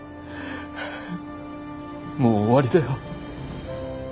もう終わりだよ。